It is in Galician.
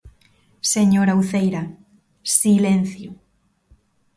Señora Uceira, silencio.